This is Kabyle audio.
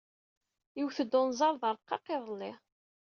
Iwet-d unẓar d arqaq iḍelli.